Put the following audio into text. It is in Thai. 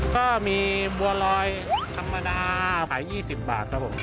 ก็มีบัวลอยธรรมดาขาย๒๐บาทครับผม